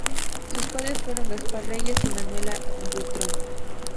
Sus padres fueron Gaspar Reyes y Manuela Buitrón.